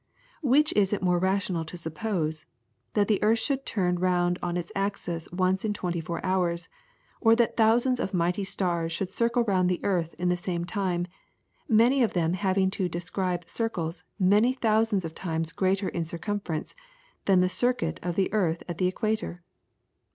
Which is it more rational to suppose, that the earth should turn round on its axis once in twenty four hours, or that thousands of mighty stars should circle round the earth in the same time, many of them having to describe circles many thousands of times greater in circumference than the circuit of the earth at the equator?